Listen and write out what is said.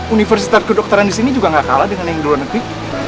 universitas kedokteran disini juga gak kalah dengan yang di luar negeri